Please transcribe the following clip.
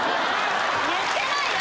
言ってないよ！